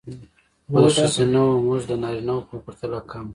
خو د ښځینه وو مزد د نارینه وو په پرتله کم دی